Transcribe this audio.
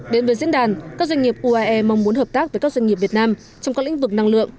đến với diễn đàn các doanh nghiệp uae mong muốn hợp tác với các doanh nghiệp việt nam trong các lĩnh vực năng lượng